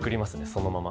そのまま。